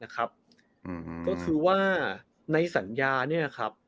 ก็คือว่าในสัญญาเนี่ยครับ